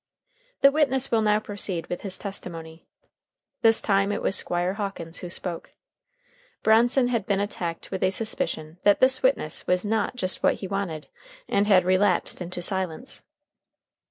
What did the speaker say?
"The witness will now proceed with his testimony." This time it was Squire Hawkins who spoke. Bronson had been attacked with a suspicion that this witness was not just what he wanted, and had relapsed into silence.